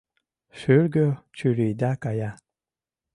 Шӱргӧ чурийда кая.